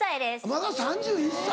まだ３１歳。